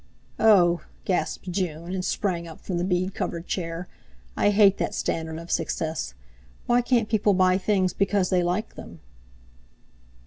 "Oh!" gasped June, and sprang up from the bead covered chair, "I hate that standard of success. Why can't people buy things because they like them?"